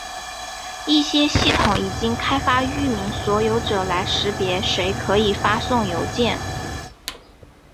一些系统已经开发域名所有者来识别谁可以发送邮件。